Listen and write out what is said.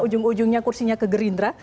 ujung ujungnya kursinya ke gerindra